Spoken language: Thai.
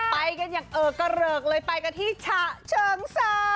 ไปกันอย่างเออกระเริกเลยไปกันที่ฉะเชิงเซา